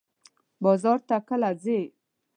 بازار ته کله ځئ؟